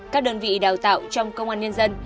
các đơn vị đào tạo trong công an nhân dân